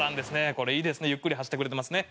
これいいですねゆっくり走ってくれてますね。